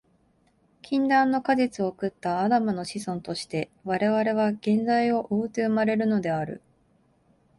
禁断の果実を食ったアダムの子孫として、我々は原罪を負うて生まれるのである。